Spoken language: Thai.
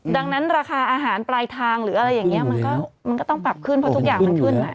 ดังนั้นราคาอาหารปลายทางหรืออะไรอย่างนี้มันก็ต้องปรับขึ้นเพราะทุกอย่างมันขึ้นแหละ